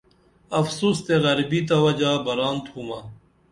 افسوس تے غریبی تہ وجا بران تُھومہ